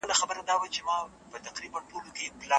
د هغوی هر یو په کهکشان کې خپل ځانګړی رول لري.